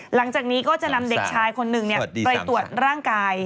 หลังจากนี้ก็จะนำเด็กชายคนหนึ่งไปตรวจร่างกาย